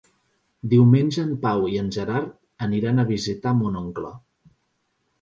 Diumenge en Pau i en Gerard aniran a visitar mon oncle.